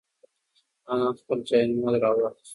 انا خپل جاینماز راواخیست.